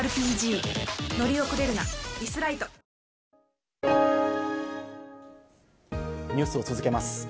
登場！ニュースを続けます。